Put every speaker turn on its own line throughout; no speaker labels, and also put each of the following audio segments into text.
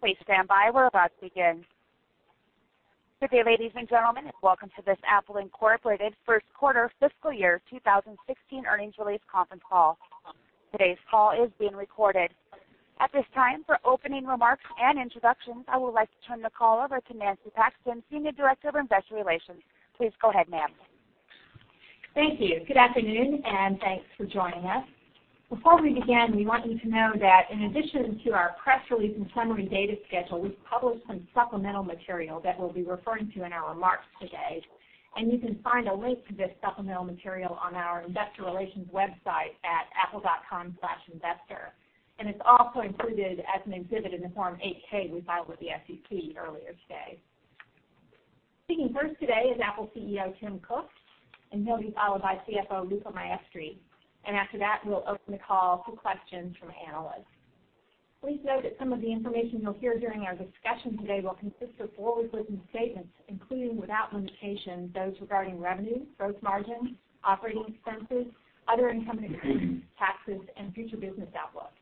Please stand by. We're about to begin. Good day, ladies and gentlemen, and welcome to this Apple Inc. first quarter fiscal year 2016 earnings release conference call. Today's call is being recorded. At this time, for opening remarks and introductions, I would like to turn the call over to Nancy Paxton, senior director of investor relations. Please go ahead, ma'am.
Thank you. Good afternoon, and thanks for joining us. Before we begin, we want you to know that in addition to our press release and summary data schedule, we've published some supplemental material that we'll be referring to in our remarks today. You can find a link to this supplemental material on our investor relations website at apple.com/investor, and it's also included as an exhibit in the Form 8-K we filed with the SEC earlier today. Speaking first today is Apple CEO Tim Cook, he'll be followed by CFO Luca Maestri, and after that, we'll open the call to questions from analysts. Please note that some of the information you'll hear during our discussion today will consist of forward-looking statements, including without limitation, those regarding revenue, gross margins, operating expenses, other income and expenses, taxes, and future business outlook.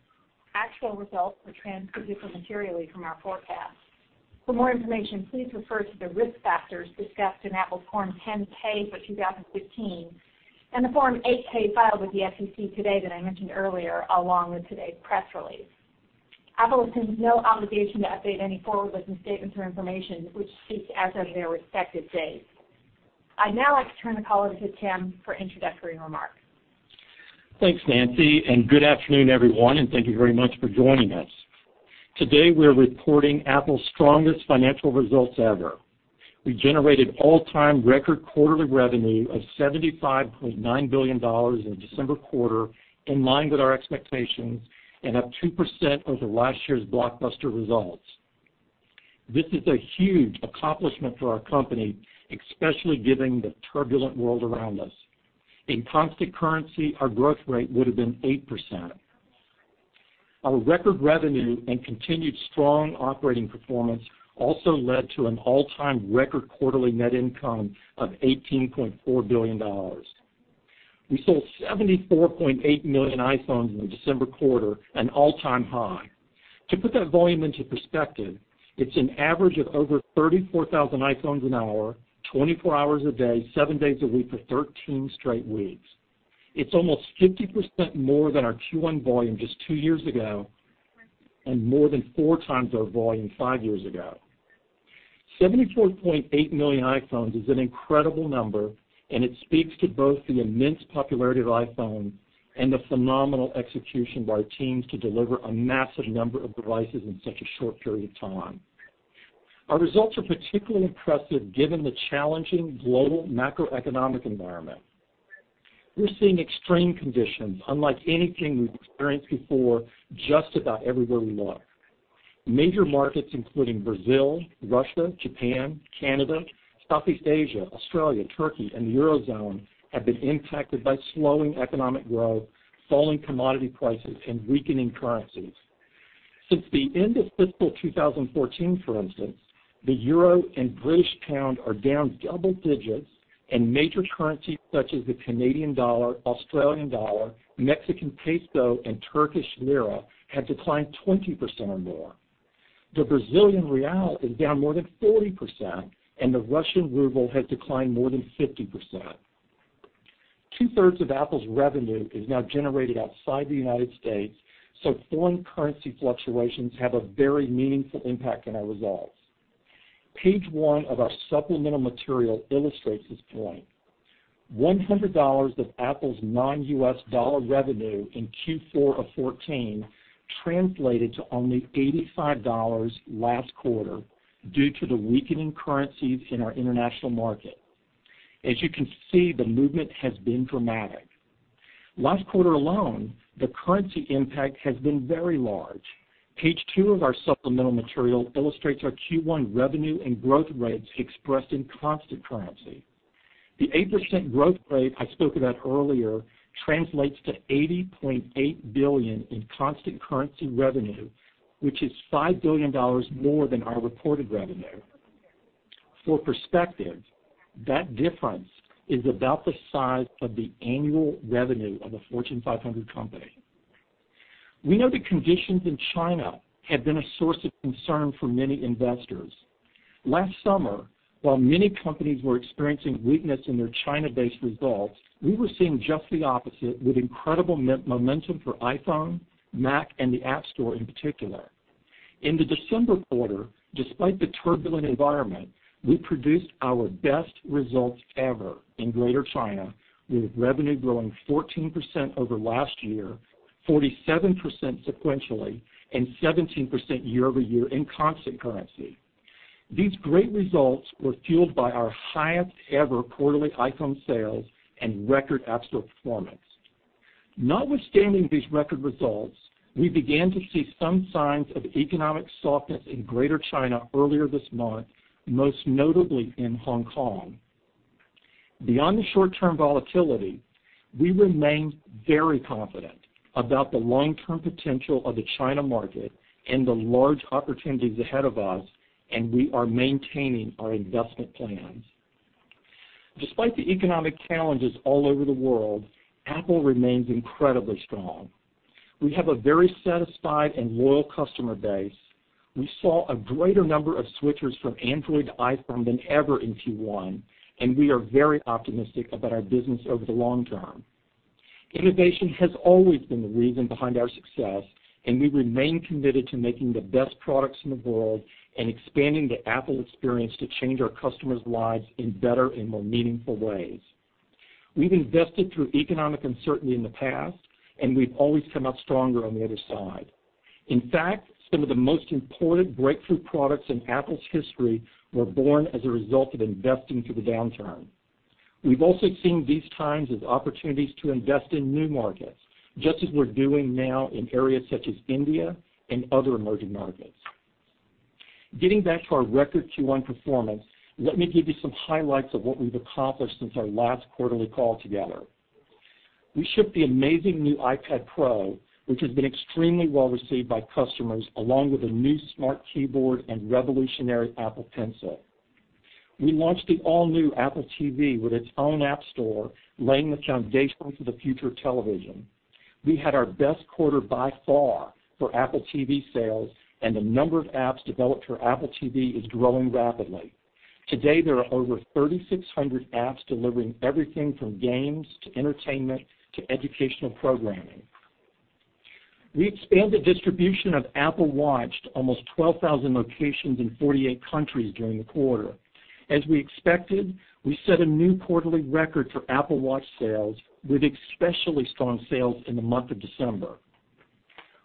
Actual results could differ materially from our forecasts. For more information, please refer to the risk factors discussed in Apple's Form 10-K for 2015 and the Form 8-K filed with the SEC today that I mentioned earlier, along with today's press release. Apple assumes no obligation to update any forward-looking statements or information, which speak as of their respective dates. I'd now like to turn the call over to Tim for introductory remarks.
Thanks, Nancy. Good afternoon, everyone, and thank you very much for joining us. Today, we're reporting Apple's strongest financial results ever. We generated all-time record quarterly revenue of $75.9 billion in the December quarter, in line with our expectations and up 2% over last year's blockbuster results. In constant currency, our growth rate would've been 8%. Our record revenue and continued strong operating performance also led to an all-time record quarterly net income of $18.4 billion. We sold 74.8 million iPhones in the December quarter, an all-time high. To put that volume into perspective, it's an average of over 34,000 iPhones an hour, 24 hours a day, seven days a week for 13 straight weeks. It's almost 50% more than our Q1 volume just two years ago and more than four times our volume five years ago. 74.8 million iPhones is an incredible number, and it speaks to both the immense popularity of iPhone and the phenomenal execution by our teams to deliver a massive number of devices in such a short period of time. Our results are particularly impressive given the challenging global macroeconomic environment. We're seeing extreme conditions unlike anything we've experienced before, just about everywhere we look. Major markets including Brazil, Russia, Japan, Canada, Southeast Asia, Australia, Turkey, and the Eurozone have been impacted by slowing economic growth, falling commodity prices, and weakening currencies. Since the end of fiscal 2014, for instance, the euro and British pound are down double digits in major currencies such as the Canadian dollar, Australian dollar, Mexican peso, and Turkish lira have declined 20% or more. The Brazilian real is down more than 40%, and the Russian ruble has declined more than 50%. Two-thirds of Apple's revenue is now generated outside the U.S., foreign currency fluctuations have a very meaningful impact on our results. Page one of our supplemental material illustrates this point. $100 of Apple's non-U.S. dollar revenue in Q4 of 2014 translated to only $85 last quarter due to the weakening currencies in our international market. As you can see, the movement has been dramatic. Last quarter alone, the currency impact has been very large. Page two of our supplemental material illustrates our Q1 revenue and growth rates expressed in constant currency. The 8% growth rate I spoke about earlier translates to $80.8 billion in constant currency revenue, which is $5 billion more than our reported revenue. For perspective, that difference is about the size of the annual revenue of a Fortune 500 company. We know the conditions in China have been a source of concern for many investors. Last summer, while many companies were experiencing weakness in their China-based results, we were seeing just the opposite with incredible momentum for iPhone, Mac, and the App Store in particular. In the December quarter, despite the turbulent environment, we produced our best results ever in Greater China, with revenue growing 14% over last year, 47% sequentially, and 17% year-over-year in constant currency. These great results were fueled by our highest-ever quarterly iPhone sales and record App Store performance. Notwithstanding these record results, we began to see some signs of economic softness in Greater China earlier this month, most notably in Hong Kong. Beyond the short-term volatility, we remain very confident about the long-term potential of the China market and the large opportunities ahead of us, we are maintaining our investment plans. Despite the economic challenges all over the world, Apple remains incredibly strong. We have a very satisfied and loyal customer base. We saw a greater number of switchers from Android to iPhone than ever in Q1, we are very optimistic about our business over the long term. Innovation has always been the reason behind our success, we remain committed to making the best products in the world and expanding the Apple experience to change our customers' lives in better and more meaningful ways. We've invested through economic uncertainty in the past, and we've always come out stronger on the other side. In fact, some of the most important breakthrough products in Apple's history were born as a result of investing through the downturn. We've also seen these times as opportunities to invest in new markets, just as we're doing now in areas such as India and other emerging markets. Getting back to our record Q1 performance, let me give you some highlights of what we've accomplished since our last quarterly call together. We shipped the amazing new iPad Pro, which has been extremely well-received by customers, along with a new Smart Keyboard and revolutionary Apple Pencil. We launched the all-new Apple TV with its own App Store, laying the foundation for the future of television. We had our best quarter by far for Apple TV sales, and the number of apps developed for Apple TV is growing rapidly. Today, there are over 3,600 apps delivering everything from games to entertainment to educational programming. We expanded distribution of Apple Watch to almost 12,000 locations in 48 countries during the quarter. As we expected, we set a new quarterly record for Apple Watch sales, with especially strong sales in the month of December.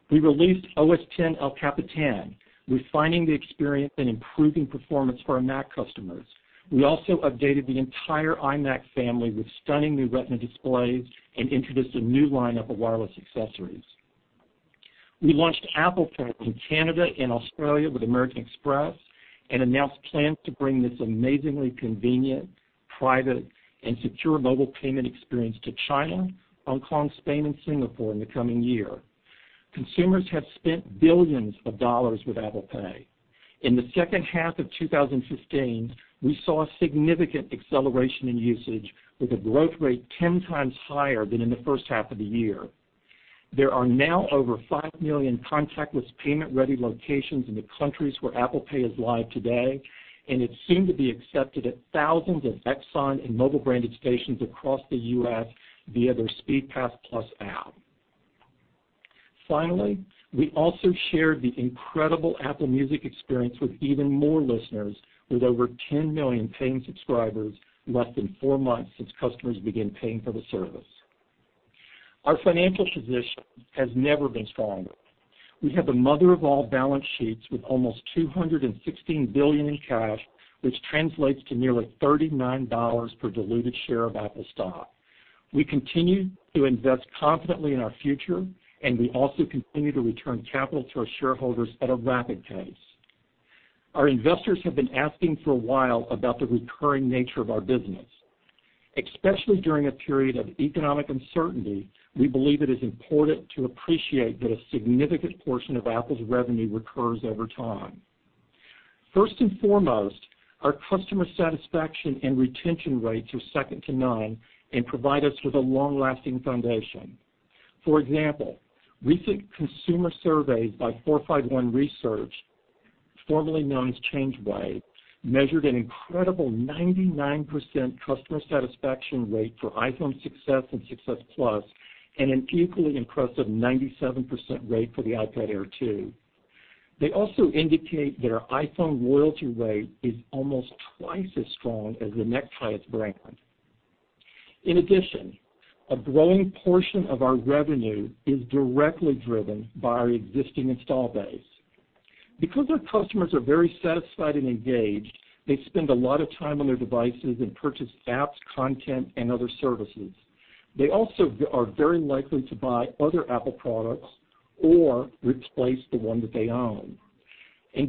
We released OS X El Capitan, refining the experience and improving performance for our Mac customers. We also updated the entire iMac family with stunning new Retina displays and introduced a new lineup of wireless accessories. We launched Apple Pay in Canada and Australia with American Express and announced plans to bring this amazingly convenient, private, and secure mobile payment experience to China, Hong Kong, Spain, and Singapore in the coming year. Consumers have spent billions of dollars with Apple Pay. In the second half of 2015, we saw significant acceleration in usage, with a growth rate 10 times higher than in the first half of the year. There are now over five million contactless payment-ready locations in the countries where Apple Pay is live today, and it's soon to be accepted at thousands of Exxon and Mobil-branded stations across the U.S. via their Speedpass+ app. Finally, we also shared the incredible Apple Music experience with even more listeners, with over 10 million paying subscribers less than four months since customers began paying for the service. Our financial position has never been stronger. We have the mother of all balance sheets with almost $216 billion in cash, which translates to nearly $39 per diluted share of Apple stock. We continue to invest confidently in our future. We also continue to return capital to our shareholders at a rapid pace. Our investors have been asking for a while about the recurring nature of our business. Especially during a period of economic uncertainty, we believe it is important to appreciate that a significant portion of Apple's revenue recurs over time. First and foremost, our customer satisfaction and retention rates are second to none and provide us with a long-lasting foundation. For example, recent consumer surveys by 451 Research, formerly known as ChangeWave, measured an incredible 99% customer satisfaction rate for iPhone 6s and 6s Plus, and an equally impressive 97% rate for the iPad Air 2. They also indicate that our iPhone loyalty rate is almost twice as strong as the next highest brand. In addition, a growing portion of our revenue is directly driven by our existing install base. Because our customers are very satisfied and engaged, they spend a lot of time on their devices and purchase apps, content, and other services. They also are very likely to buy other Apple products or replace the one that they own.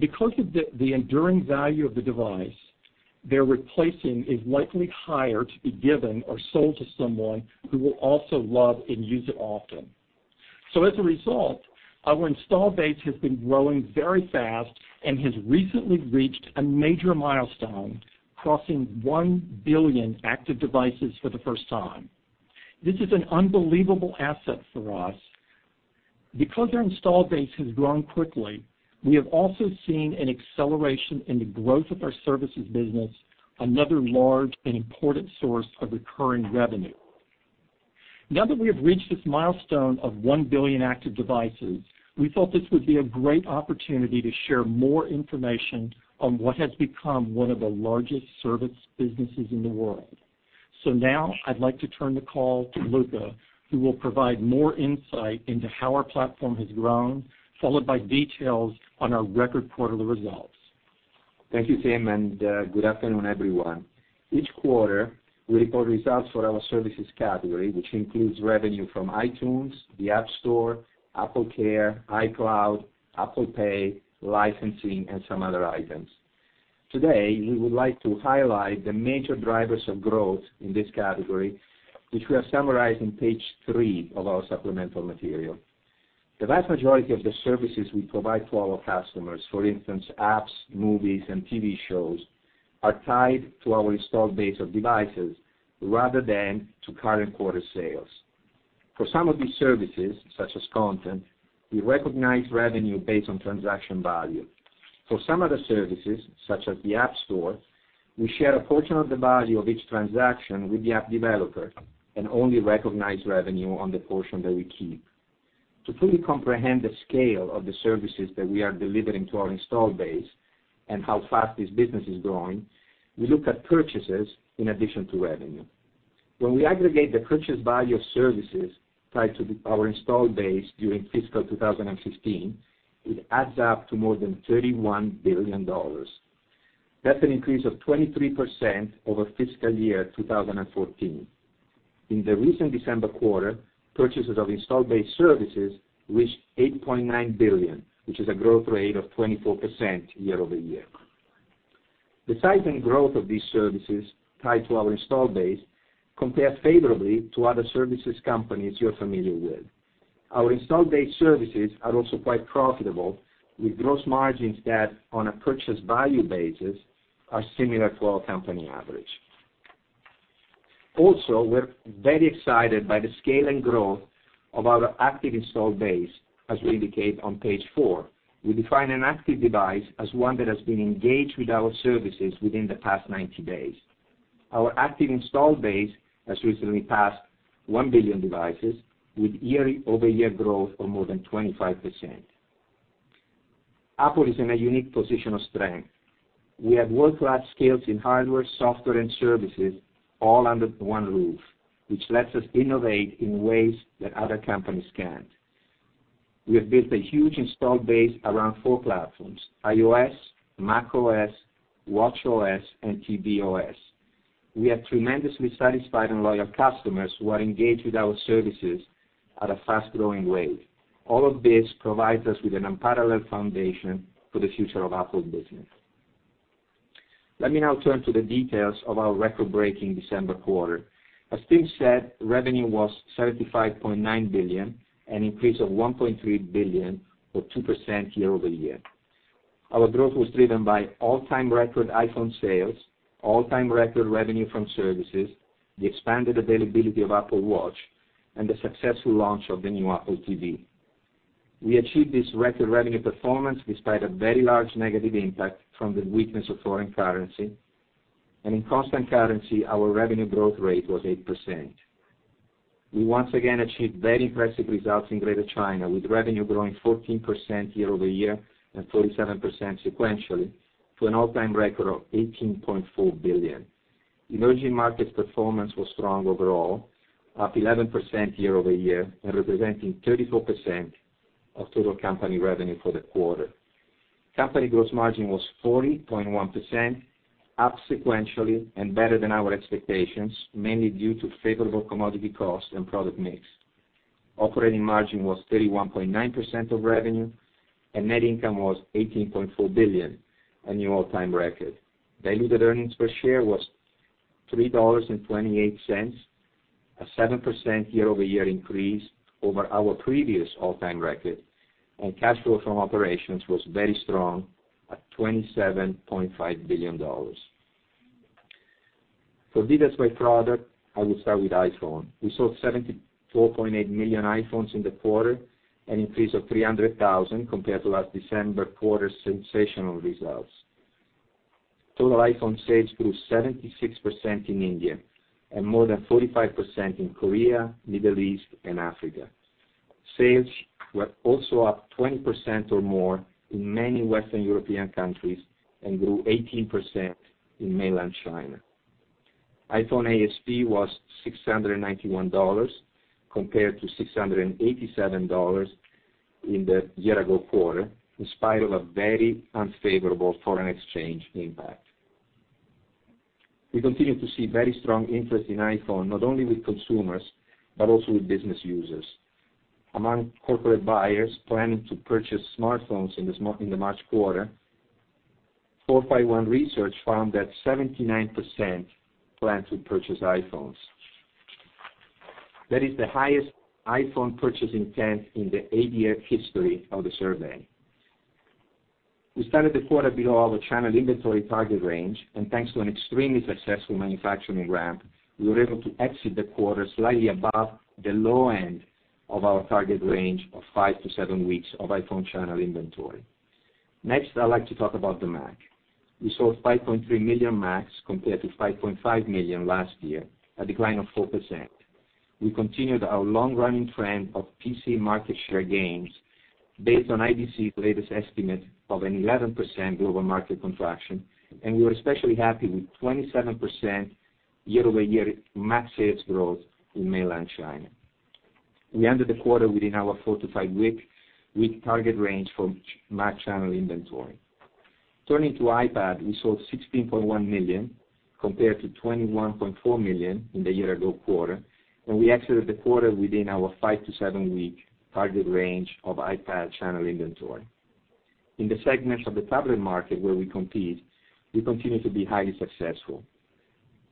Because of the enduring value of the device, their replacing is likely higher to be given or sold to someone who will also love and use it often. As a result, our install base has been growing very fast and has recently reached a major milestone, crossing 1 billion active devices for the first time. This is an unbelievable asset for us. Because our install base has grown quickly, we have also seen an acceleration in the growth of our services business, another large and important source of recurring revenue. Now that we have reached this milestone of 1 billion active devices, we thought this would be a great opportunity to share more information on what has become one of the largest service businesses in the world. Now I'd like to turn the call to Luca, who will provide more insight into how our platform has grown, followed by details on our record quarterly results.
Thank you, Tim, and good afternoon, everyone. Each quarter, we report results for our services category, which includes revenue from iTunes, the App Store, AppleCare, iCloud, Apple Pay, licensing, and some other items. Today, we would like to highlight the major drivers of growth in this category, which we have summarized on page three of our supplemental material. The vast majority of the services we provide to all our customers, for instance, apps, movies, and TV shows, are tied to our installed base of devices rather than to current quarter sales. For some of these services, such as content, we recognize revenue based on transaction value. For some other services, such as the App Store, we share a portion of the value of each transaction with the app developer and only recognize revenue on the portion that we keep. To fully comprehend the scale of the services that we are delivering to our installed base and how fast this business is growing, we look at purchases in addition to revenue. When we aggregate the purchase value of services tied to our installed base during fiscal 2015, it adds up to more than $31 billion. That's an increase of 23% over fiscal year 2014. In the recent December quarter, purchases of installed base services reached $8.9 billion, which is a growth rate of 24% year-over-year. The size and growth of these services tied to our installed base compare favorably to other services companies you're familiar with. Our installed base services are also quite profitable, with gross margins that, on a purchase value basis, are similar to our company average. We're very excited by the scale and growth of our active installed base, as we indicate on page four. We define an active device as one that has been engaged with our services within the past 90 days. Our active installed base has recently passed 1 billion devices, with year-over-year growth of more than 25%. Apple is in a unique position of strength. We have world-class skills in hardware, software, and services all under one roof, which lets us innovate in ways that other companies can't. We have built a huge installed base around four platforms, iOS, macOS, watchOS, and tvOS. We have tremendously satisfied and loyal customers who are engaged with our services at a fast-growing rate. All of this provides us with an unparalleled foundation for the future of Apple business. Let me now turn to the details of our record-breaking December quarter. As Tim said, revenue was $75.9 billion, an increase of $1.3 billion or 2% year-over-year. Our growth was driven by all-time record iPhone sales, all-time record revenue from services, the expanded availability of Apple Watch, and the successful launch of the new Apple TV. We achieved this record revenue performance despite a very large negative impact from the weakness of foreign currency. In constant currency, our revenue growth rate was 8%. We once again achieved very impressive results in Greater China, with revenue growing 14% year-over-year and 47% sequentially to an all-time record of $18.4 billion. Emerging markets performance was strong overall, up 11% year-over-year and representing 34% of total company revenue for the quarter. Company gross margin was 40.1%, up sequentially and better than our expectations, mainly due to favorable commodity costs and product mix. Operating margin was 31.9% of revenue, net income was $18.4 billion, a new all-time record. Diluted earnings per share was $3.28, a 7% year-over-year increase over our previous all-time record, cash flow from operations was very strong at $27.5 billion. For details by product, I will start with iPhone. We sold 74.8 million iPhones in the quarter, an increase of 300,000 compared to last December quarter's sensational results. Total iPhone sales grew 76% in India and more than 45% in Korea, Middle East, and Africa. Sales were also up 20% or more in many Western European countries and grew 18% in mainland China. iPhone ASP was $691 compared to $687 in the year-ago quarter, in spite of a very unfavorable foreign exchange impact. We continue to see very strong interest in iPhone, not only with consumers, but also with business users. Among corporate buyers planning to purchase smartphones in the March quarter, 451 Research found that 79% plan to purchase iPhones. That is the highest iPhone purchase intent in the eight-year history of the survey. We started the quarter below our channel inventory target range, thanks to an extremely successful manufacturing ramp, we were able to exit the quarter slightly above the low end of our target range of five to seven weeks of iPhone channel inventory. Next, I'd like to talk about the Mac. We sold 5.3 million Macs compared to 5.5 million last year, a decline of 4%. We continued our long-running trend of PC market share gains based on IDC's latest estimate of an 11% global market contraction, we were especially happy with 27% year-over-year Mac sales growth in mainland China. We ended the quarter within our four to five-week target range for Mac channel inventory. Turning to iPad, we sold $16.1 million compared to $21.4 million in the year-ago quarter, and we exited the quarter within our five to seven-week target range of iPad channel inventory. In the segments of the tablet market where we compete, we continue to be highly successful.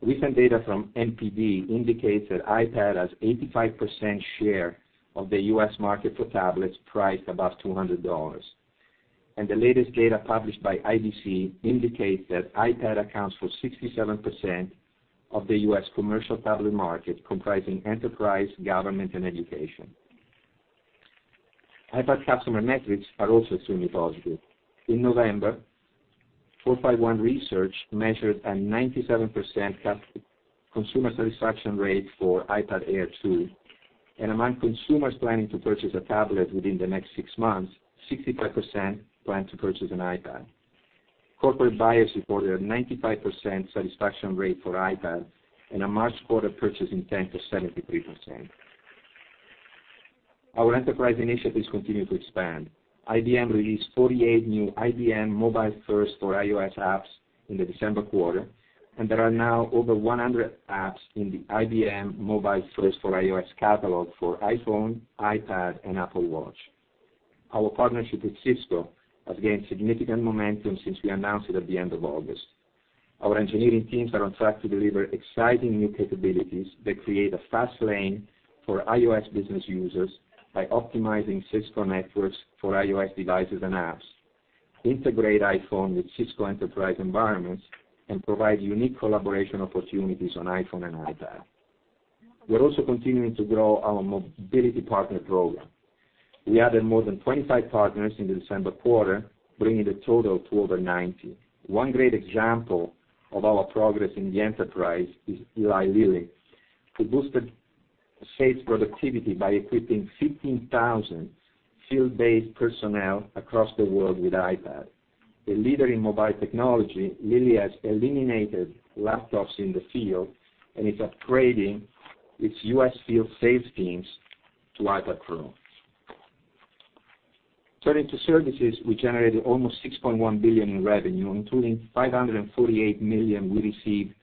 Recent data from NPD indicates that iPad has 85% share of the U.S. market for tablets priced above $200. And the latest data published by IDC indicates that iPad accounts for 67% of the U.S. commercial tablet market, comprising enterprise, government, and education. iPad customer metrics are also extremely positive. In November, 451 Research measured a 97% consumer satisfaction rate for iPad Air 2, and among consumers planning to purchase a tablet within the next six months, 65% plan to purchase an iPad. Corporate buyers reported a 95% satisfaction rate for iPad and a March quarter purchase intent of 73%. Our enterprise initiatives continue to expand. IBM released 48 new IBM MobileFirst for iOS apps in the December quarter, and there are now over 100 apps in the IBM MobileFirst for iOS catalog for iPhone, iPad, and Apple Watch. Our partnership with Cisco has gained significant momentum since we announced it at the end of August. Our engineering teams are on track to deliver exciting new capabilities that create a fast lane for iOS business users by optimizing Cisco networks for iOS devices and apps, integrate iPhone with Cisco enterprise environments, and provide unique collaboration opportunities on iPhone and iPad. We're also continuing to grow our mobility partner program. We added more than 25 partners in the December quarter, bringing the total to over 90. One great example of our progress in the enterprise is Eli Lilly, who boosted sales productivity by equipping 15,000 field-based personnel across the world with iPad. A leader in mobile technology, Lilly has eliminated laptops in the field and is upgrading its U.S. field sales teams to iPad Pro. Turning to services, we generated almost $6.1 billion in revenue, including $548 million we received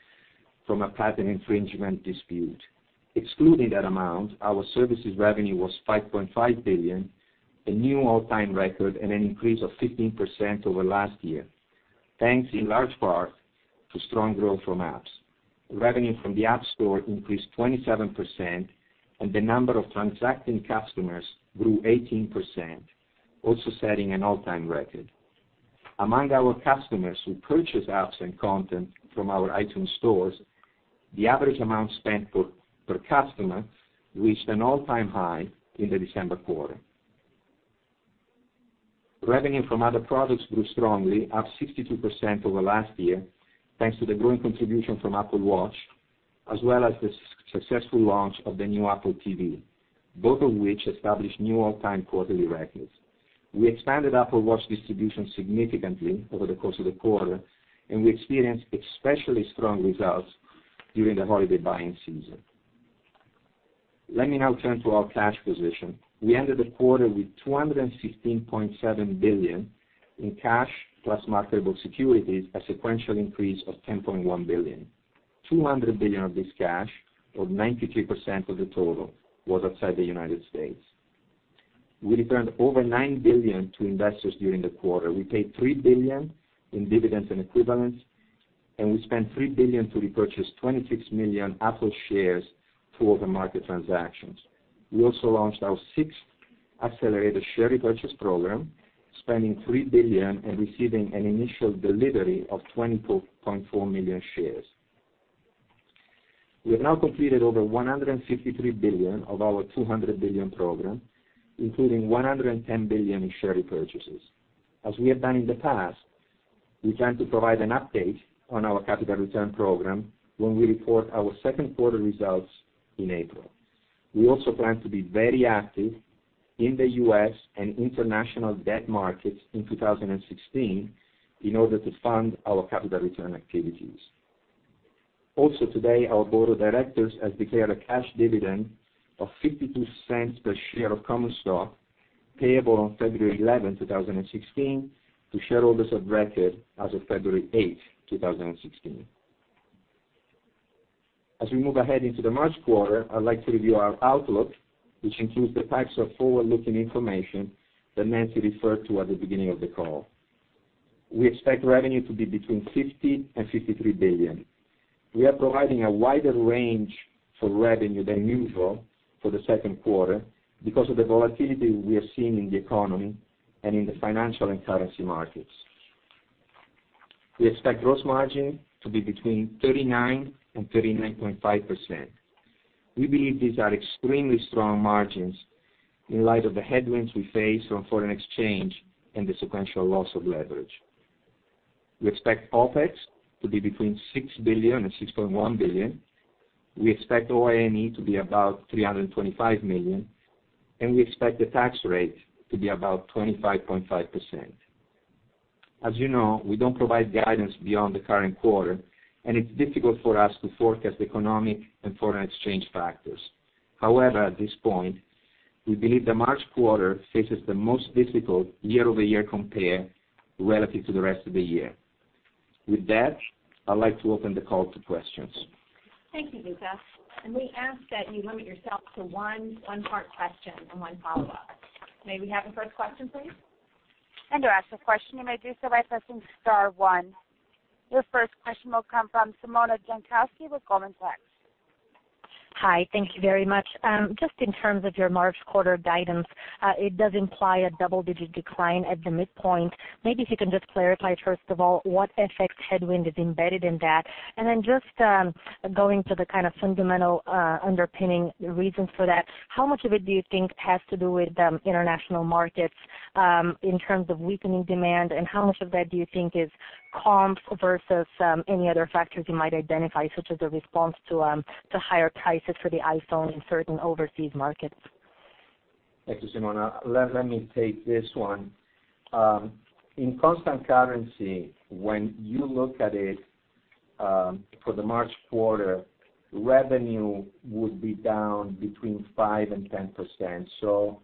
from a patent infringement dispute. Excluding that amount, our services revenue was $5.5 billion, a new all-time record and an increase of 15% over last year, thanks in large part to strong growth from apps. Revenue from the App Store increased 27%, and the number of transacting customers grew 18%, also setting an all-time record. Among our customers who purchase apps and content from our iTunes stores, the average amount spent per customer reached an all-time high in the December quarter. Revenue from other products grew strongly, up 62% over last year, thanks to the growing contribution from Apple Watch, as well as the successful launch of the new Apple TV, both of which established new all-time quarterly records. We expanded Apple Watch distribution significantly over the course of the quarter, and we experienced especially strong results during the holiday buying season. Let me now turn to our cash position. We ended the quarter with $216.7 billion in cash plus marketable securities, a sequential increase of $10.1 billion. $200 billion of this cash, or 93% of the total, was outside the United States. We returned over $9 billion to investors during the quarter. We paid $3 billion in dividends and equivalents, and we spent $3 billion to repurchase 26 million Apple shares through over-the-market transactions. We also launched our sixth accelerated share repurchase program, spending $3 billion and receiving an initial delivery of 20.4 million shares. We have now completed over $153 billion of our $200 billion program, including $110 billion in share repurchases. As we have done in the past, we plan to provide an update on our capital return program when we report our second quarter results in April. We also plan to be very active in the U.S. and international debt markets in 2016 in order to fund our capital return activities. Also today, our board of directors has declared a cash dividend of $0.52 per share of common stock payable on February 11, 2016, to shareholders of record as of February 8, 2016. As we move ahead into the March quarter, I'd like to review our outlook, which includes the types of forward-looking information that Nancy referred to at the beginning of the call. We expect revenue to be between $50 billion and $53 billion. We are providing a wider range for revenue than usual for the second quarter because of the volatility we are seeing in the economy and in the financial and currency markets. We expect gross margin to be between 39% and 39.5%. We believe these are extremely strong margins in light of the headwinds we face from foreign exchange and the sequential loss of leverage. We expect OPEX to be between $6 billion and $6.1 billion. We expect OIE to be about $325 million, and we expect the tax rate to be about 25.5%. As you know, we don't provide guidance beyond the current quarter, and it's difficult for us to forecast economic and foreign exchange factors. However, at this point, we believe the March quarter faces the most difficult year-over-year compare relative to the rest of the year. With that, I'd like to open the call to questions.
Thank you, Luca, and we ask that you limit yourself to one part question and one follow-up. May we have the first question, please?
To ask a question, you may do so by pressing star one. Your first question will come from Simona Jankowski with Goldman Sachs.
Hi, thank you very much. Just in terms of your March quarter guidance, it does imply a double-digit decline at the midpoint. Maybe if you can just clarify, first of all, what FX headwind is embedded in that? Then just going to the kind of fundamental underpinning reasons for that, how much of it do you think has to do with the international markets, in terms of weakening demand, and how much of that do you think is comps versus any other factors you might identify, such as a response to higher prices for the iPhone in certain overseas markets?
Thank you, Simona. Let me take this one. In constant currency, when you look at it for the March quarter, revenue would be down between 5% and 10%.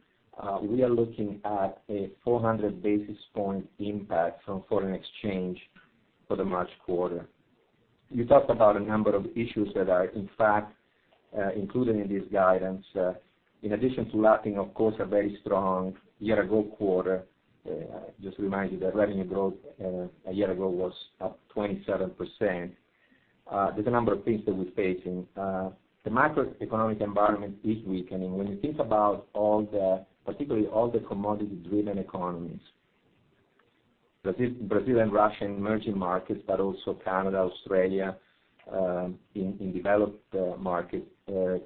We are looking at a 400 basis points impact from foreign exchange for the March quarter. You talked about a number of issues that are, in fact, included in this guidance. In addition to lapping, of course, a very strong year-ago quarter, just remind you that revenue growth a year ago was up 27%. There's a number of things that we're facing. The macroeconomic environment is weakening. When you think about, particularly all the commodity-driven economies, Brazilian, Russian emerging markets, but also Canada, Australia, in developed markets,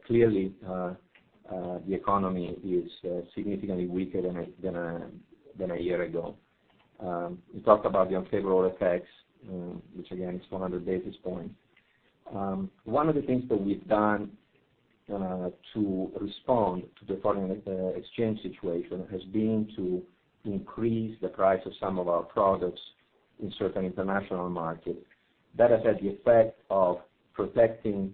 clearly, the economy is significantly weaker than a year ago. We talked about the unfavorable FX, which again, is 400 basis points. One of the things that we've done to respond to the foreign exchange situation has been to increase the price of some of our products in certain international markets. That has had the effect of protecting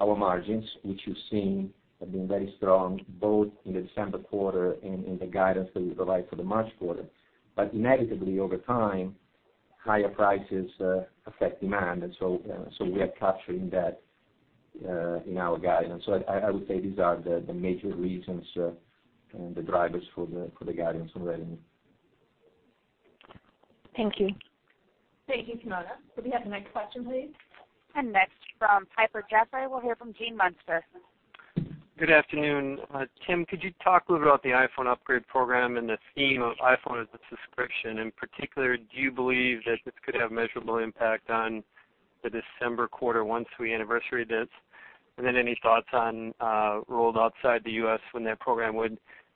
our margins, which you've seen have been very strong, both in the December quarter and in the guidance that we provided for the March quarter. Inevitably, over time, higher prices affect demand, and so we are capturing that in our guidance. I would say these are the major reasons and the drivers for the guidance on revenue.
Thank you.
Thank you, Simona. Could we have the next question, please? Next from Piper Jaffray, we'll hear from Gene Munster.
Good afternoon. Tim, could you talk a little bit about the iPhone upgrade program and the theme of iPhone as a subscription? In particular, do you believe that this could have measurable impact on the December quarter once we anniversary this? Then any thoughts on rolled outside the U.S. when that program?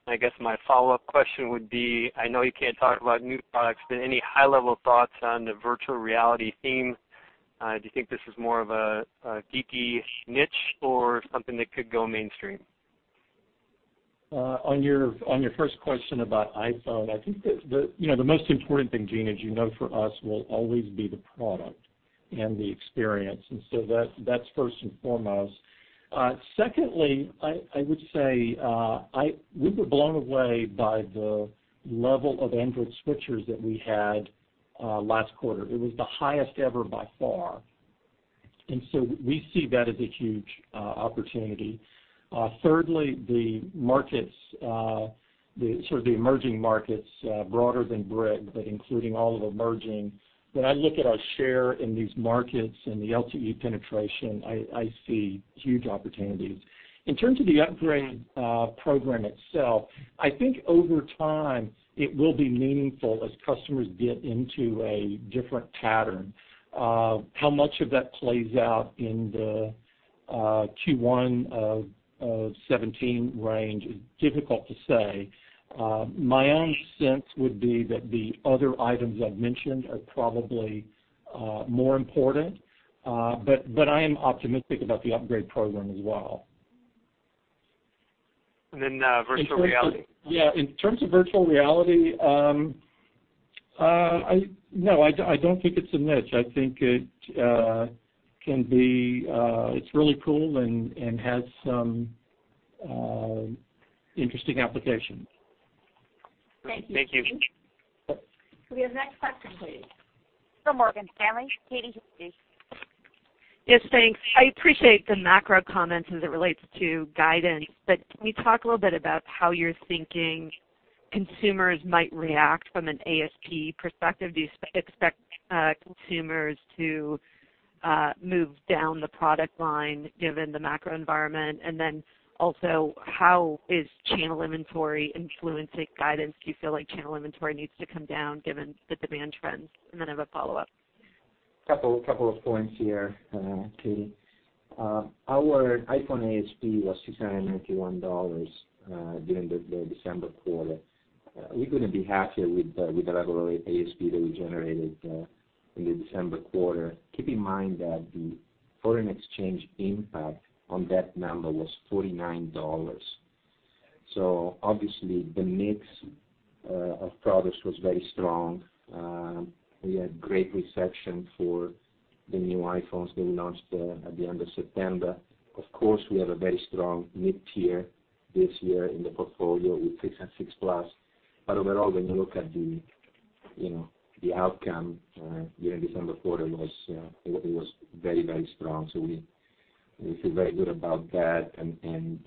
I guess my follow-up question would be, I know you can't talk about new products, but any high-level thoughts on the virtual reality theme? Do you think this is more of a geeky niche or something that could go mainstream?
On your first question about iPhone, I think that the most important thing, Gene, as you know, for us, will always be the product and the experience. So that's first and foremost. Secondly, I would say, we were blown away by the level of Android switchers that we had last quarter. It was the highest ever by far. So we see that as a huge opportunity. Thirdly, the markets, sort of the emerging markets, broader than BRIC, but including all of emerging, when I look at our share in these markets and the LTE penetration, I see huge opportunities. In terms of the upgrade program itself, I think over time it will be meaningful as customers get into a different pattern. How much of that plays out in the Q1 2017 range is difficult to say. My own sense would be that the other items I've mentioned are probably more important. I am optimistic about the upgrade program as well.
Virtual reality.
Yeah. In terms of virtual reality, no, I don't think it's a niche. I think it's really cool and has some interesting applications.
Thank you.
Could we have next question, please? From Morgan Stanley, Katy Huberty.
Yes, thanks. I appreciate the macro comments as it relates to guidance. Can we talk a little bit about how you're thinking consumers might react from an ASP perspective? Do you expect consumers to move down the product line given the macro environment? Also, how is channel inventory influencing guidance? Do you feel like channel inventory needs to come down given the demand trends? I have a follow-up.
Couple of points here, Katy. Our iPhone ASP was $691 during the December quarter. We couldn't be happier with the level of ASP that we generated in the December quarter. Keep in mind that the foreign exchange impact on that number was $49. Obviously, the mix of products was very strong. We had great reception for the new iPhones that we launched at the end of September. Of course, we have a very strong mid-tier this year in the portfolio with 6 and 6 Plus. Overall, when you look at the outcome during the December quarter, it was very strong. We feel very good about that and we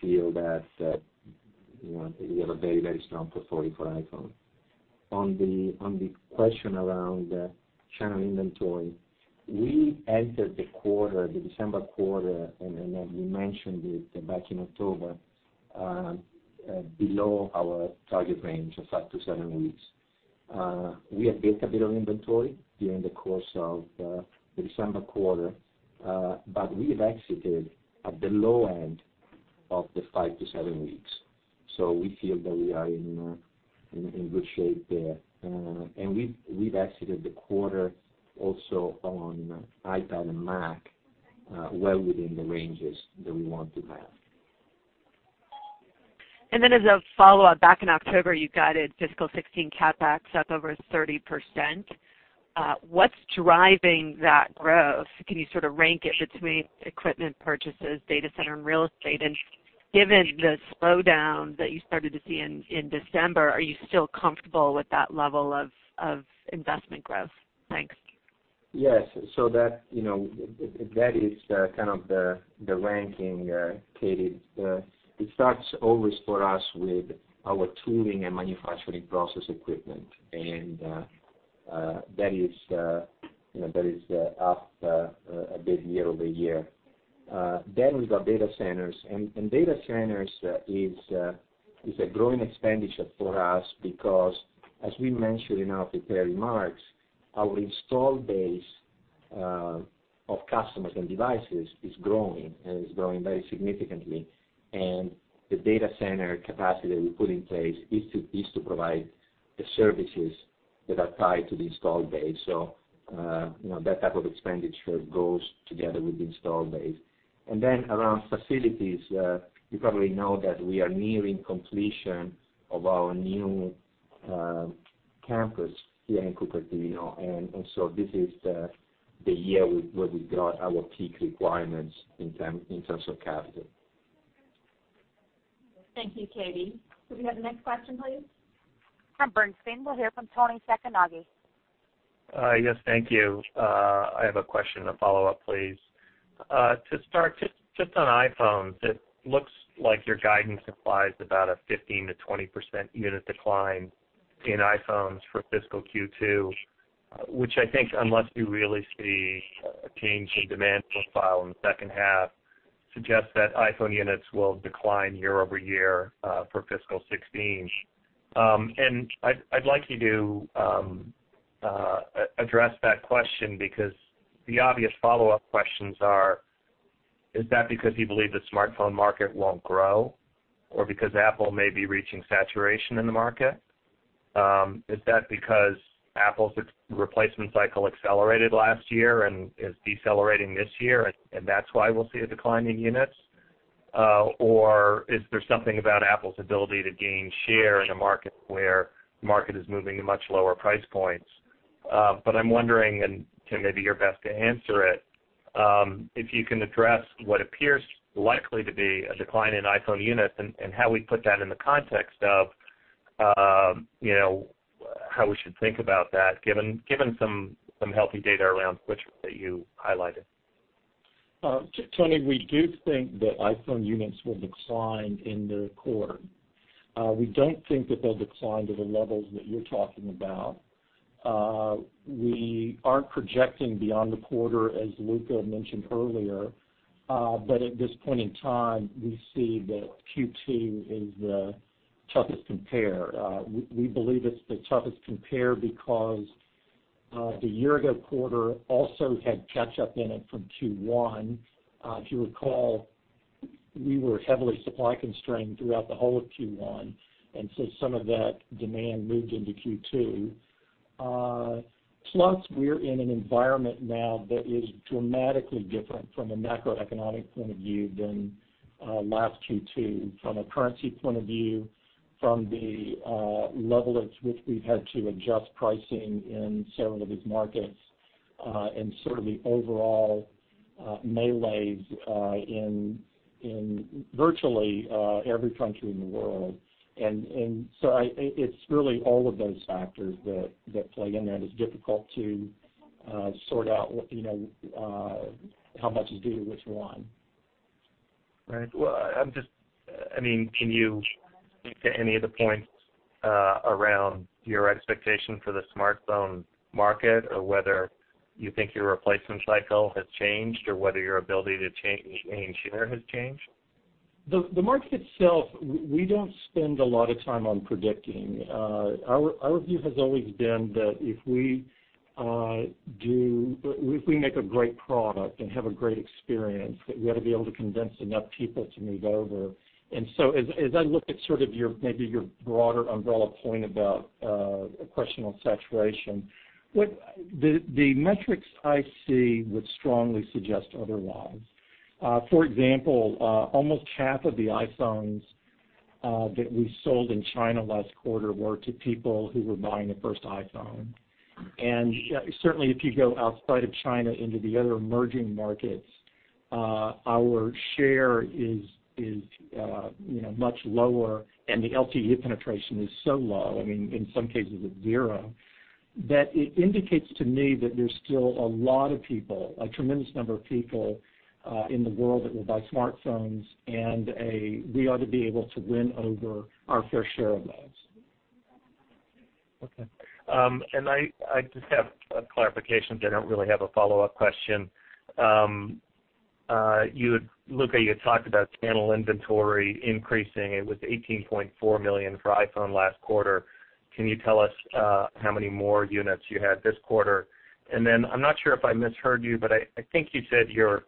feel that we have a very strong portfolio for iPhone. On the question around channel inventory, we entered the December quarter, and as we mentioned it back in October, below our target range of five to seven weeks. We have built a bit of inventory during the course of the December quarter. We've exited at the low end of the five to seven weeks. We feel that we are in good shape there. We've exited the quarter also on iPad and Mac well within the ranges that we want to have.
As a follow-up, back in October, you guided fiscal 2016 CapEx up over 30%. What's driving that growth? Can you sort of rank it between equipment purchases, data center, and real estate? Given the slowdown that you started to see in December, are you still comfortable with that level of investment growth? Thanks.
Yes. That is the kind of the ranking, Katy. It starts always for us with our tooling and manufacturing process equipment, that is up a bit year-over-year. We've got data centers, data centers is a growing expenditure for us because, as we mentioned in our prepared remarks, our install base of customers and devices is growing, it's growing very significantly. The data center capacity we put in place is to provide the services that are tied to the install base. That type of expenditure goes together with the install base. Around facilities, you probably know that we are nearing completion of our new campus here in Cupertino, this is the year where we've got our peak requirements in terms of capital.
Thank you, Katy. Could we have the next question, please?
From Bernstein, we'll hear from Toni Sacconaghi.
Yes. Thank you. I have a question to follow up, please. To start, just on iPhones, it looks like your guidance implies about a 15%-20% unit decline in iPhones for fiscal Q2, which I think, unless you really see a change in demand profile in the second half, suggests that iPhone units will decline year-over-year for fiscal 2016. I'd like you to address that question because the obvious follow-up questions are: Is that because you believe the smartphone market won't grow or because Apple may be reaching saturation in the market? Is that because Apple's replacement cycle accelerated last year and is decelerating this year, and that's why we'll see a decline in units? Is there something about Apple's ability to gain share in a market where the market is moving to much lower price points? I'm wondering, and Tim, maybe you're best to answer it, if you can address what appears likely to be a decline in iPhone units and how we put that in the context of how we should think about that given some healthy data around switchers that you highlighted.
Toni, we do think that iPhone units will decline in the quarter. We don't think that they'll decline to the levels that you're talking about. We aren't projecting beyond the quarter, as Luca mentioned earlier, but at this point in time, we see that Q2 is the toughest compare. We believe it's the toughest compare because the year-ago quarter also had catch-up in it from Q1. If you recall, we were heavily supply-constrained throughout the whole of Q1, some of that demand moved into Q2. We're in an environment now that is dramatically different from a macroeconomic point of view than last Q2, from a currency point of view, from the level at which we've had to adjust pricing in several of these markets, and sort of the overall malaise in virtually every country in the world. It's really all of those factors that play in that. It's difficult to sort out how much is due to which one.
Right. Well, can you speak to any of the points around your expectation for the smartphone market, or whether you think your replacement cycle has changed, or whether your ability to gain share has changed?
The market itself, we don't spend a lot of time on predicting. Our view has always been that if we make a great product and have a great experience, that we ought to be able to convince enough people to move over. As I look at sort of maybe your broader umbrella point about a question on saturation, the metrics I see would strongly suggest otherwise. For example, almost half of the iPhones that we sold in China last quarter were to people who were buying their first iPhone. Certainly, if you go outside of China into the other emerging markets. Our share is much lower and the LTE penetration is so low, in some cases it's zero, that it indicates to me that there's still a lot of people, a tremendous number of people in the world that will buy smartphones, and we ought to be able to win over our fair share of those.
Okay. I just have a clarification because I don't really have a follow-up question. Luca, you had talked about channel inventory increasing. It was $18.4 million for iPhone last quarter. Can you tell us how many more units you had this quarter? I'm not sure if I misheard you, but I think you said your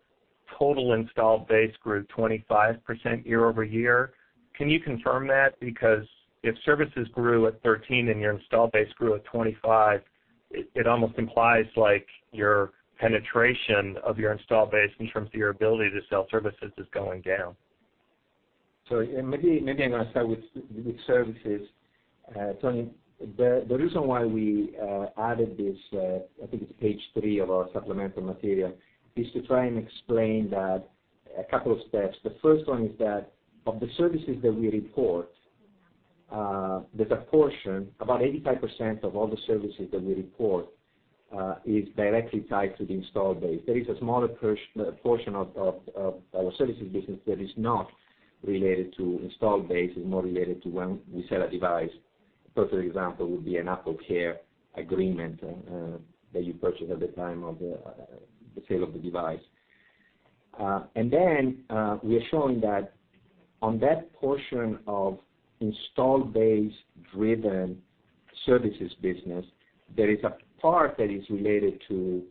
total installed base grew 25% year-over-year. Can you confirm that? Because if services grew at 13% and your installed base grew at 25%, it almost implies your penetration of your installed base in terms of your ability to sell services is going down.
Maybe I'm going to start with services, Toni. The reason why we added this, I think it's page three of our supplemental material, is to try and explain that a couple of steps. The first one is that of the services that we report, that a portion, about 85% of all the services that we report, is directly tied to the installed base. There is a smaller portion of our services business that is not related to installed base, is more related to when we sell a device. Perfect example would be an AppleCare agreement that you purchase at the time of the sale of the device. We are showing that on that portion of installed base-driven services business, there is a part that is related to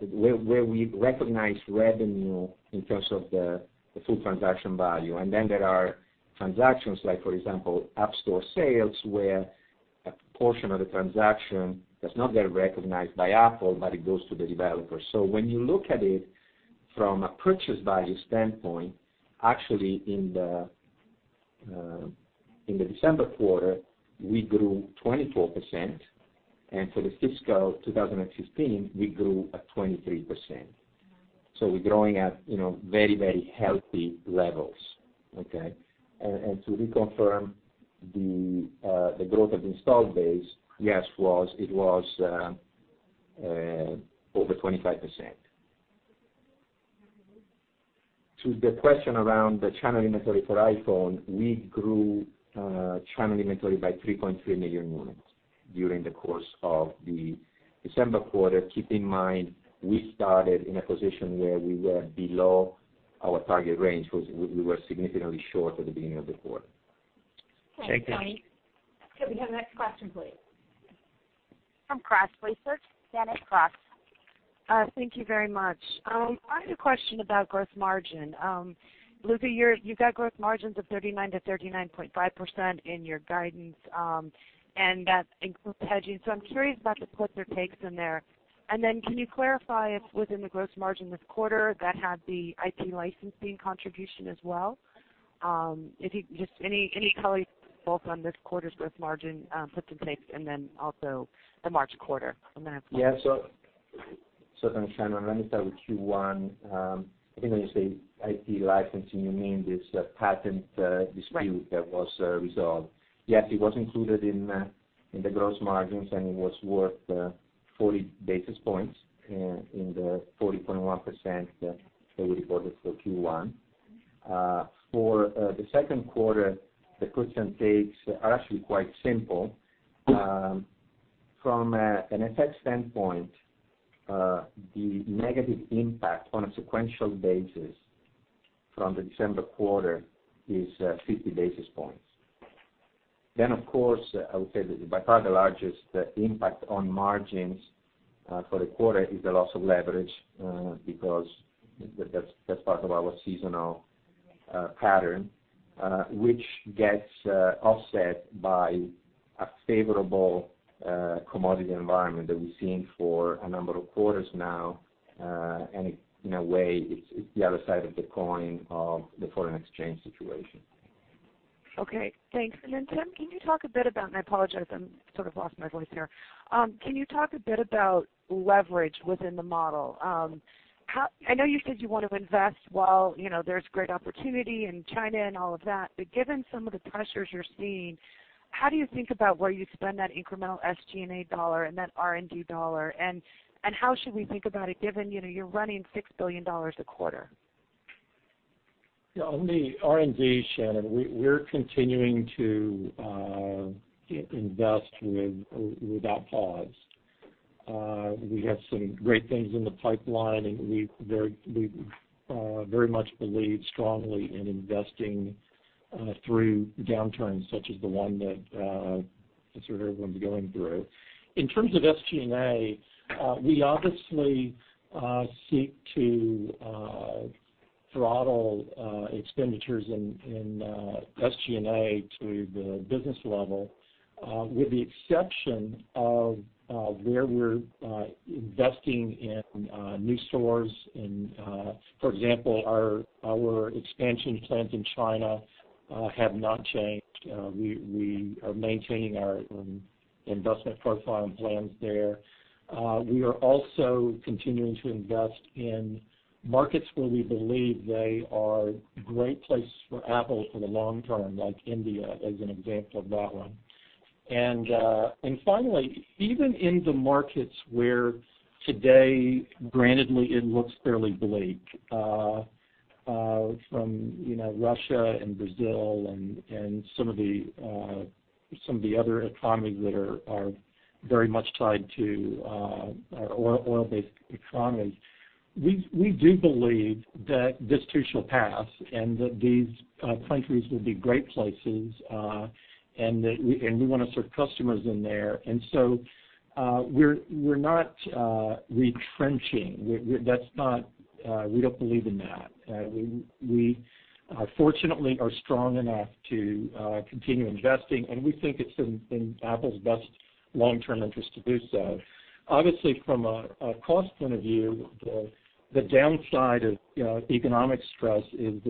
where we recognize revenue in terms of the full transaction value. There are transactions like, for example, App Store sales, where a portion of the transaction does not get recognized by Apple, but it goes to the developer. When you look at it from a purchase value standpoint, actually in the December quarter, we grew 24%, and for the fiscal 2015, we grew at 23%. We're growing at very healthy levels. Okay. To reconfirm the growth of installed base, yes, it was over 25%. To the question around the channel inventory for iPhone, we grew channel inventory by 3.3 million units during the course of the December quarter. Keep in mind, we started in a position where we were below our target range. We were significantly short at the beginning of the quarter.
Thank you.
Okay. Can we have the next question, please?
From Cross Research, Shannon Cross.
Thank you very much. I have a question about gross margin. Luca, you've got gross margins of 39%-39.5% in your guidance, and that includes hedging. I'm curious about the puts or takes in there. Can you clarify if within the gross margin this quarter, that had the IP licensing contribution as well? If you could, just any color you could give both on this quarter's gross margin puts and takes, and also the March quarter.
Shannon, let me start with Q1. When you say IP licensing, you mean this patent dispute that was resolved.
Right.
Yes, it was included in the gross margins, and it was worth 40 basis points in the 40.1% that we reported for Q1. For the second quarter, the puts and takes are actually quite simple. From an effect standpoint, the negative impact on a sequential basis from the December quarter is 50 basis points. Of course, I would say that by far the largest impact on margins for the quarter is the loss of leverage, because that's part of our seasonal pattern, which gets offset by a favorable commodity environment that we've seen for a number of quarters now, and in a way, it's the other side of the coin of the foreign exchange situation.
Okay, thanks. Tim, can you talk a bit about, and I apologize, I'm sort of lost my voice here. Can you talk a bit about leverage within the model? I know you said you want to invest while there's great opportunity in China and all of that, given some of the pressures you're seeing, how do you think about where you spend that incremental SG&A dollar and that R&D dollar, and how should we think about it given you're running $6 billion a quarter?
On the R&D, Shannon, we're continuing to invest without pause. We have some great things in the pipeline, and we very much believe strongly in investing through downturns such as the one that sort of everyone's going through. In terms of SG&A, we obviously seek to throttle expenditures in SG&A to the business level with the exception of where we're investing in new stores. For example, our expansion plans in China have not changed. We are maintaining our investment profile and plans there. We are also continuing to invest in markets where we believe they are great places for Apple for the long term, like India, as an example of that one. Finally, even in the markets where today, granted it looks fairly bleak, from Russia and Brazil and some of the other economies that are very much tied to oil-based economies, we do believe that this too shall pass and that these countries will be great places, and we want to serve customers in there. We're not retrenching. We don't believe in that. We fortunately are strong enough to continue investing, and we think it's in Apple's best long-term interest to do so. Obviously, from a cost point of view, the downside of economic stress is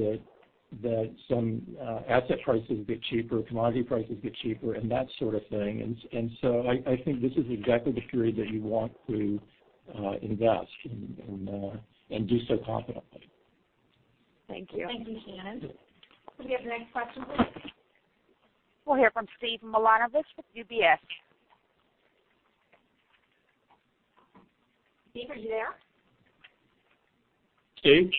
that some asset prices get cheaper, commodity prices get cheaper, and that sort of thing. I think this is exactly the period that you want to invest and do so confidently.
Thank you.
Thank you, Shannon. Could we have the next question, please?
We'll hear from Steve Milunovich with UBS.
Steve, are you there?
Steve?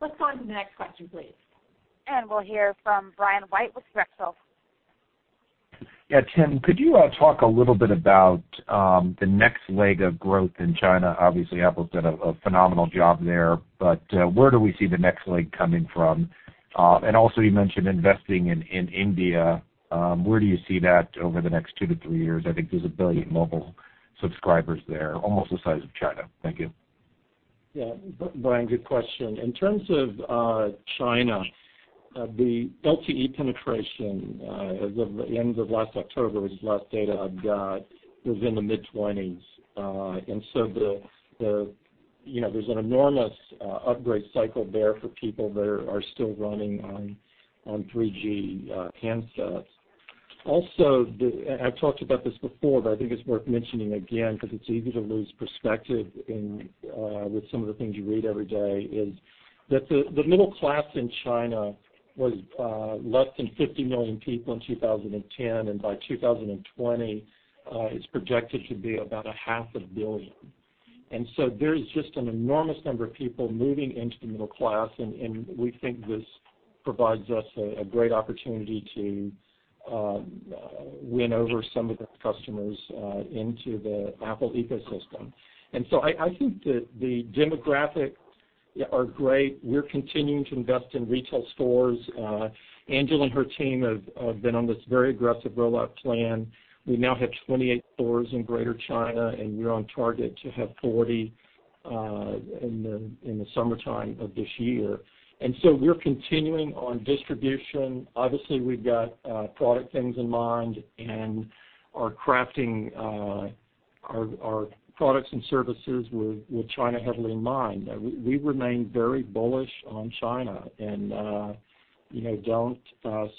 Let's go on to the next question, please.
We'll hear from Brian White with Drexel.
Yeah, Tim, could you talk a little bit about the next leg of growth in China? Obviously, Apple's done a phenomenal job there, but where do we see the next leg coming from? Also, you mentioned investing in India. Where do you see that over the next two to three years? I think there's a billion mobile subscribers there, almost the size of China. Thank you.
Yeah, Brian, good question. In terms of China, the LTE penetration as of the end of last October, which is the last data I've got, was in the mid-20s. There's an enormous upgrade cycle there for people that are still running on 3G handsets. Also, I've talked about this before, but I think it's worth mentioning again because it's easy to lose perspective with some of the things you read every day, is that the middle class in China was less than 50 million people in 2010, and by 2020, it's projected to be about a half a billion. There's just an enormous number of people moving into the middle class, and we think this provides us a great opportunity to win over some of their customers into the Apple ecosystem. I think the demographics are great. We're continuing to invest in retail stores. Angela and her team have been on this very aggressive rollout plan. We now have 28 stores in Greater China, and we're on target to have 40 in the summertime of this year. We're continuing on distribution. Obviously, we've got product things in mind and are crafting our products and services with China heavily in mind. We remain very bullish on China and don't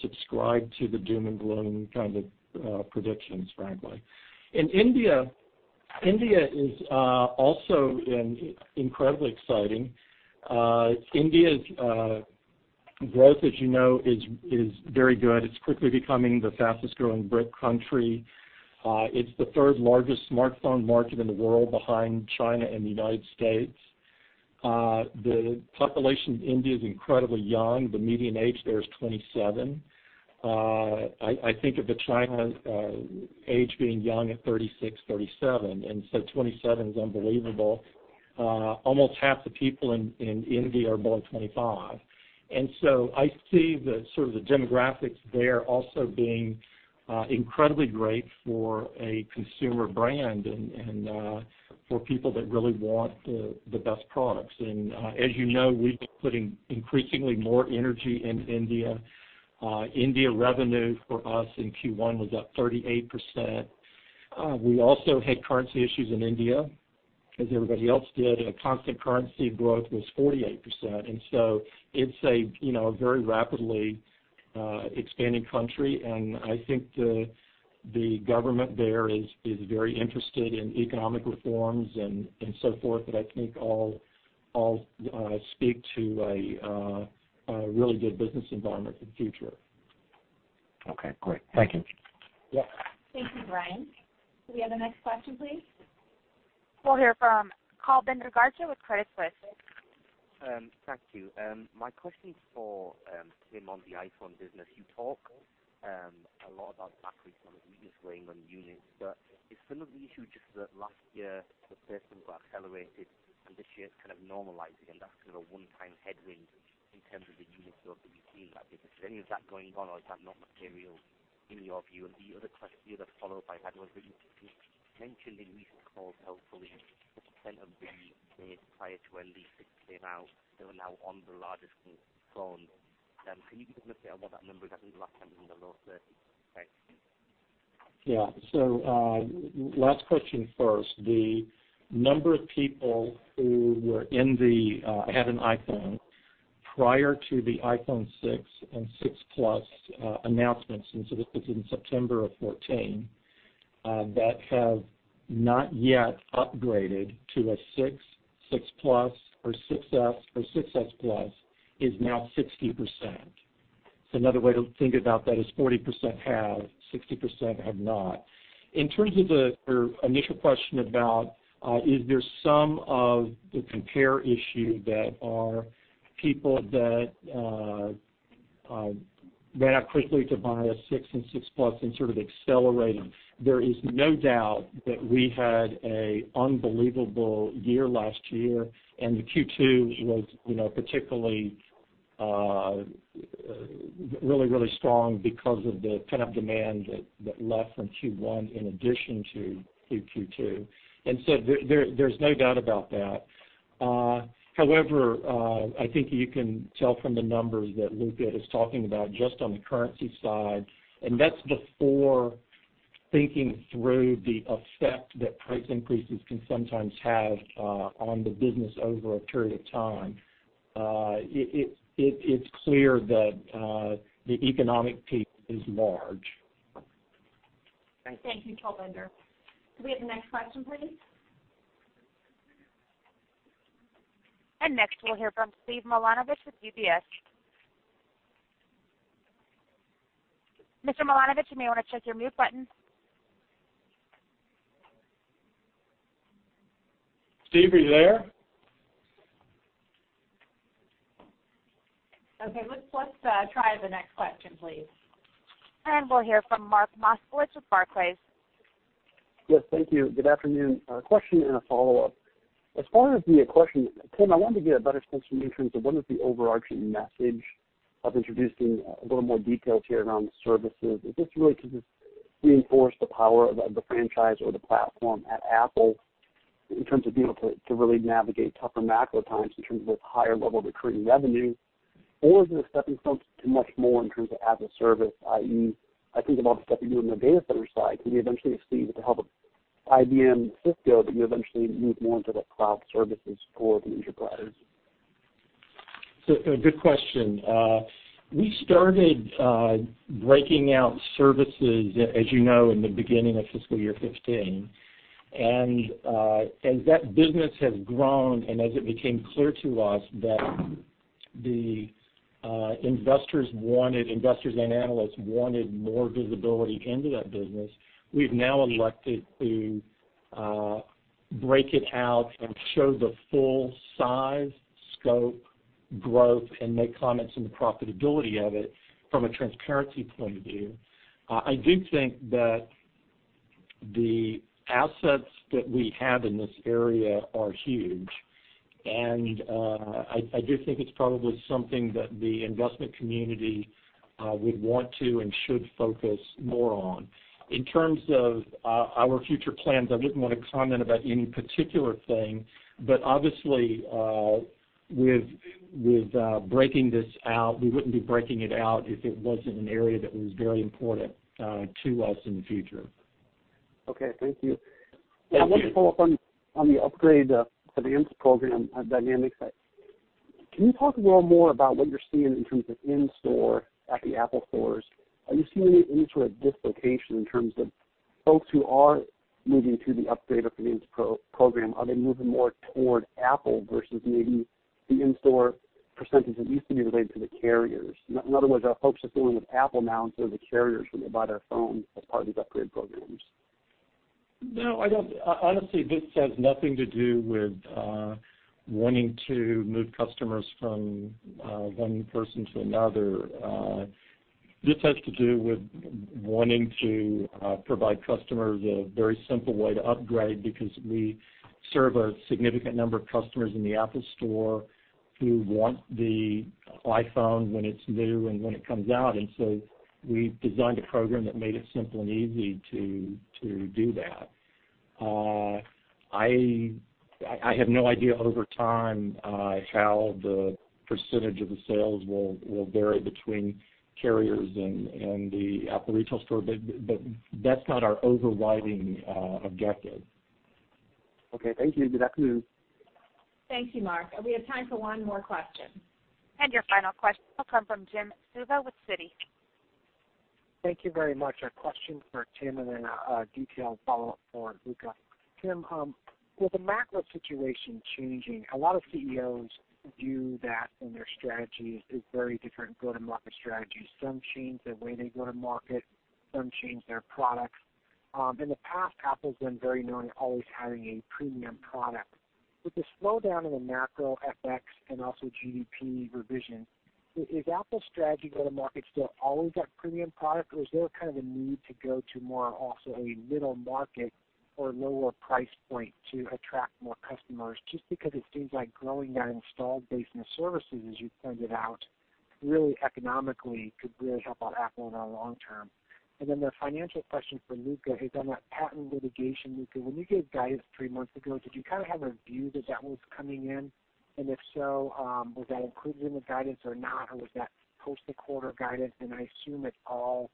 subscribe to the doom and gloom kind of predictions, frankly. In India is also incredibly exciting. India's growth, as you know, is very good. It's quickly becoming the fastest-growing BRIC country. It's the third-largest smartphone market in the world behind China and the U.S. The population of India is incredibly young. The median age there is 27. I think of the China age being young at 36, 37, and so 27 is unbelievable. Almost half the people in India are below 25. I see the sort of demographics there also being incredibly great for a consumer brand and for people that really want the best products. As you know, we've been putting increasingly more energy in India. India revenue for us in Q1 was up 38%. We also had currency issues in India, as everybody else did, and constant currency growth was 48%. It's a very rapidly expanding country, and I think the government there is very interested in economic reforms and so forth that I think all speak to a really good business environment in the future.
Okay, great. Thank you.
Yeah.
Thank you, Brian. Could we have the next question, please?
We'll hear from Kulbinder Garcha with Credit Suisse.
Thank you. My question is for Tim on the iPhone business. You talk a lot about backwards product weakness weighing on units. Is some of the issue just that last year the person who accelerated and this year it's kind of normalizing and that's sort of a one-time headwind in terms of the unit growth that you've seen in that business? Is any of that going on or is that not material in your view? The other question to follow by that was, you mentioned in recent calls how fully 60% of the base prior to when the 6 came out, they were now on the largest phone. Can you give us an update on what that number is? I think the last time it was in the low 30s. Thanks.
Yeah. Last question first. The number of people who had an iPhone prior to the iPhone 6 and iPhone 6 Plus announcements, this was in September of 2014, that have not yet upgraded to a 6 Plus or 6s or 6s Plus is now 60%. Another way to think about that is 40% have, 60% have not. In terms of your initial question about, is there some of the compare issue that are people that ran out quickly to buy a 6 and 6 Plus and sort of accelerated? There is no doubt that we had an unbelievable year last year, and the Q2 was particularly really strong because of the pent-up demand that left from Q1 in addition to Q2. There's no doubt about that. I think you can tell from the numbers that Luca is talking about just on the currency side, and that's before thinking through the effect that price increases can sometimes have on the business over a period of time. It's clear that the economic impact is large.
Great. Thank you, Kulbinder Garcha. Could we have the next question, please?
Next we'll hear from Steve Milunovich with UBS. Mr. Milunovich, you may want to check your mute button.
Steve, are you there?
Okay, let's try the next question, please.
We'll hear from Mark Moskowitz with Barclays.
Yes. Thank you. Good afternoon. A question and a follow-up. As far as the question, Tim, I wanted to get a better sense from you in terms of what is the overarching message of introducing a little more detail here around the services. Is this really to just reinforce the power of the franchise or the platform at Apple in terms of being able to really navigate tougher macro times in terms of its higher level recurring revenue? Or is it a stepping stone to much more in terms of as a service, i.e., I think of all the stuff you're doing on the data center side. Could you eventually see with the help of IBM, Cisco, that you eventually move more into the cloud services for the enterprise?
Good question. We started breaking out services, as you know, in the beginning of fiscal year 2015. As that business has grown and as it became clear to us that the investors and analysts wanted more visibility into that business, we've now elected to break it out and show the full size, scope, growth, and make comments on the profitability of it from a transparency point of view. I do think that the assets that we have in this area are huge, and I do think it's probably something that the investment community would want to and should focus more on. In terms of our future plans, I didn't want to comment about any particular thing, but obviously, with breaking this out, we wouldn't be breaking it out if it wasn't an area that was very important to us in the future.
Okay. Thank you.
Thank you.
I want to follow up on the upgrade for the installment program dynamics. Can you talk a little more about what you're seeing in terms of in-store at the Apple Stores? Are you seeing any sort of dislocation in terms of folks who are moving to the upgrade or finance program? Are they moving more toward Apple versus maybe the in-store percentage that used to be related to the carriers? In other words, are folks just going with Apple now instead of the carriers when they buy their phone as part of these upgrade programs?
No. Honestly, this has nothing to do with wanting to move customers from one person to another. This has to do with wanting to provide customers a very simple way to upgrade, because we serve a significant number of customers in the Apple Store who want the iPhone when it's new and when it comes out, and so we've designed a program that made it simple and easy to do that. I have no idea over time how the percentage of the sales will vary between carriers and the Apple retail store, but that's not our overriding objective.
Okay. Thank you. Good afternoon.
Thank you, Mark. We have time for one more question.
Your final question will come from Jim Suva with Citi.
Thank you very much. A question for Tim and then a detailed follow-up for Luca. Tim, with the macro situation changing, a lot of CEOs view that in their strategies as very different go-to-market strategies. Some change the way they go to market, some change their products. In the past, Apple's been very known always having a premium product. With the slowdown in the macro FX and also GDP revision, is Apple's strategy go to market still always that premium product, or is there a kind of a need to go to more also a middle market or lower price point to attract more customers, just because it seems like growing that installed base in the services, as you pointed out, really economically could really help out Apple in the long term. The financial question for Luca is on that patent litigation, Luca, when you gave guidance three months ago, did you kind of have a view that was coming in? If so, was that included in the guidance or not, or was that post the quarter guidance, and I assume it's all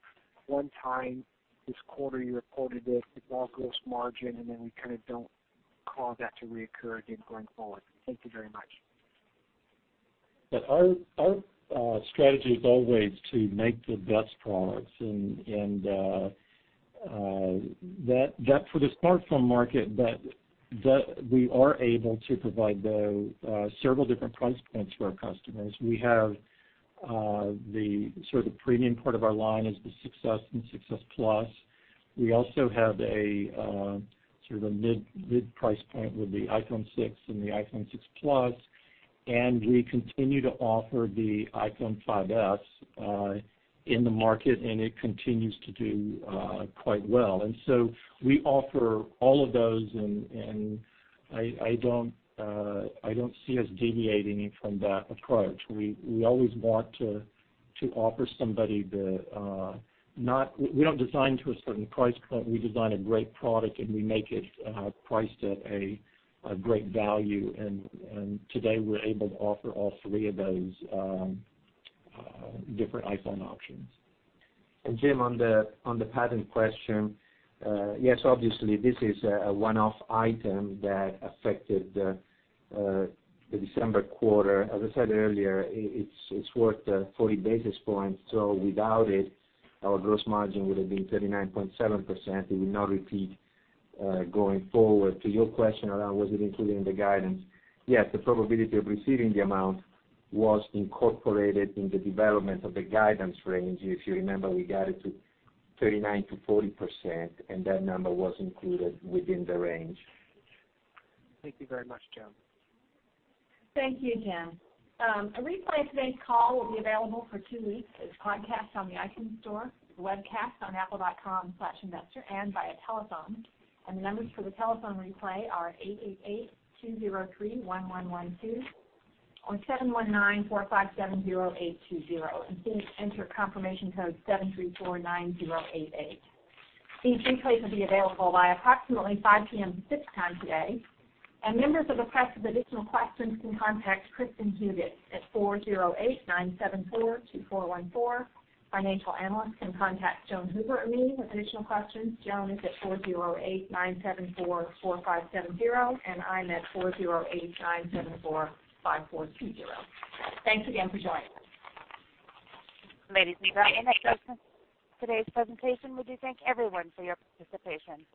one time this quarter you reported it's all gross margin, and then we kind of cause that to reoccur again going forward? Thank you very much.
Our strategy is always to make the best products, and for the smartphone market, we are able to provide several different price points for our customers. We have the premium part of our line is the 6s and 6s Plus. We also have a mid price point with the iPhone 6 and the iPhone 6 Plus, and we continue to offer the iPhone 5s in the market, and it continues to do quite well. We offer all of those, and I don't see us deviating from that approach. We don't design to a certain price point. We design a great product, and we make it priced at a great value. Today, we're able to offer all three of those different iPhone options.
Jim, on the patent question, yes, obviously, this is a one-off item that affected the December quarter. As I said earlier, it's worth 40 basis points, so without it, our gross margin would have been 39.7%. It would not repeat going forward. To your question around was it included in the guidance, yes, the probability of receiving the amount was incorporated in the development of the guidance range. If you remember, we guided to 39%-40%, and that number was included within the range.
Thank you very much, Jim.
Thank you, Jim. A replay of today's call will be available for two weeks as podcasts on the iTunes Store, webcast on apple.com/investor, and via telephone. The numbers for the telephone replay are 888-203-1112 or 719-457-0820, and please enter confirmation code 7349088. These replays will be available by approximately 5:00 p.m. Pacific Time today. Members of the press with additional questions can contact Kristin Huguet at 408-974-2414. Financial analysts can contact Joan Hoover or me with additional questions. Joan is at 408-974-4570, and I'm at 408-974-5420. Thanks again for joining us.
Ladies and gentlemen, that concludes today's presentation. We do thank everyone for your participation.